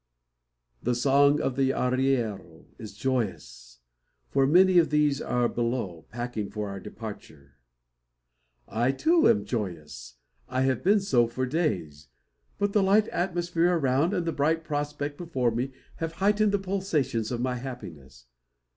The song of the arriero is joyous; for many of these are below, packing for our departure. I, too, am joyous. I have been so for days; but the light atmosphere around, and the bright prospect before me, have heightened the pulsations of my happiness.